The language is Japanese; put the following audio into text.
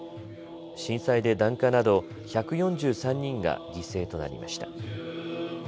震災で檀家など１４３人が犠牲となりました。